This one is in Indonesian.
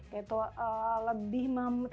gitu lebih mem